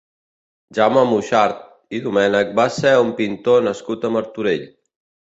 Jaume Muxart i Domènech va ser un pintor nascut a Martorell.